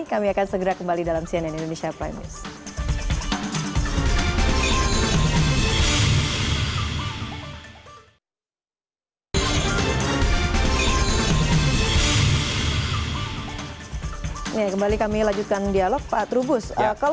kami akan segera kembali dalam cnn indonesia prime news